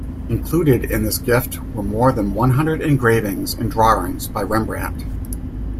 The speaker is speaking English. Included in this gift were more than one hundred engravings and drawings by Rembrandt.